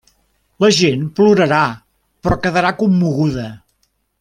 La gent plorarà, però quedarà commoguda.